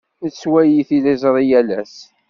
Nettwali tiliẓri yal ass.